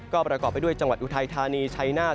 ก็ประกอบไปด้วยจังหวัดอุทัยธานีชัยนาธิ